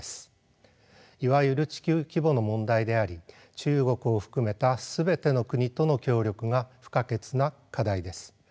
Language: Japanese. いわゆる地球規模の問題であり中国を含めた全ての国との協力が不可欠な課題です。